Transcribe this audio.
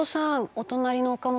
お隣の岡本さん。